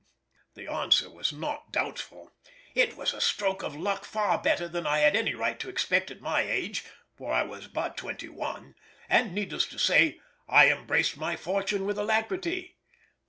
The answer was not doubtful. It was a stroke of luck far better than I had any right to expect at my age (for I was but twenty one), and needless to say I embraced my fortune with alacrity.